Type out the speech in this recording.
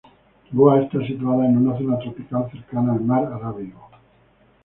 Goa está situada en una zona tropical, cercana al mar Arábigo.